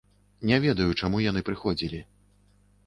Не ведаю, чаму яны прыходзілі.